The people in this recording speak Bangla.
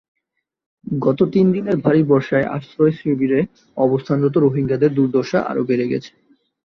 গত তিন দিনের ভারী বর্ষায় আশ্রয়শিবিরে অবস্থানরত রোহিঙ্গাদের দুর্দশা আরও বেড়েছে।